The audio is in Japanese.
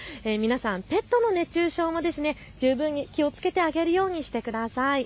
ペットの熱中症も十分に気をつけてあげるようにしてください。